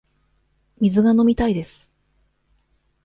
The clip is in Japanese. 水が飲みたいです。